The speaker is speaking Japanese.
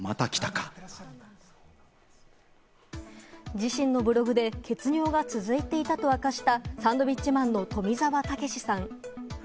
自身のブログで血尿が続いていたと明かしたサンドウィッチマンの富澤たけしさん。